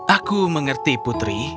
aku mengerti putri